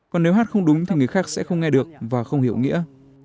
còn nếu hát không đúng thì người khác sẽ không nghe được và không hiểu nghĩa